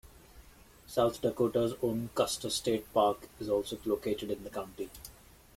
South Dakota's own Custer State Park is also located in the county.